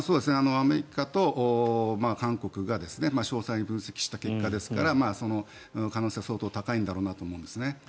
アメリカと韓国が詳細に分析した結果ですからその可能性は相当高いんだろうなと思うんですね。